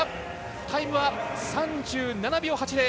タイムは３７秒８０。